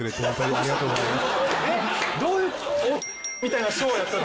ありがとうございます。